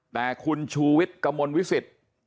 แต่คุณชูวิทย์กระมวลวิสิต